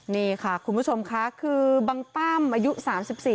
นี่ค่ะคุณผู้ชมค่ะคือบางตั้มอายุสามสิบสี่